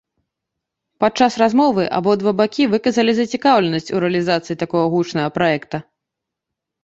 Падчас размовы абодва бакі выказалі зацікаўленасць у рэалізацыі такога гучнага праекта.